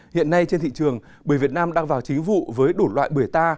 hiện nay trên thị trường bưởi việt nam đang vào chính vụ với đủ loại bưởi ta